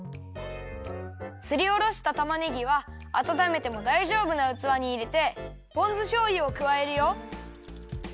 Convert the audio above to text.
すりおろしたたまねぎはあたためてもだいじょうぶなうつわにいれてポン酢しょうゆをくわえるよ。